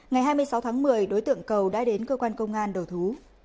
ngày hai mươi sáu tháng một mươi đối tượng cầu đã đến cơ quan công an đầu thú